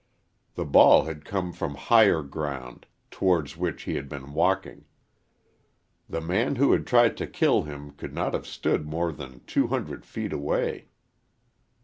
The ball had come from higher ground, towards which he had been walking. The man who had tried to kill him could not have stood more than two hundred feet away.